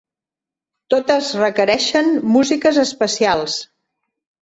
Totes requereixen músiques especials.